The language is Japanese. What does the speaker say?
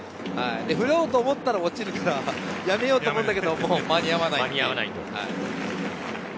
振ろうと思ったら落ちるからやめようと思うんだけども間に合わない。